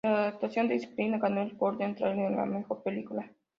La adaptación de Snyder ganó el Golden Trailer a la Mejor Película.